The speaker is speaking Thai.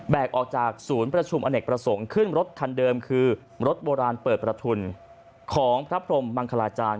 ออกจากศูนย์ประชุมอเนกประสงค์ขึ้นรถคันเดิมคือรถโบราณเปิดประทุนของพระพรมมังคลาจารย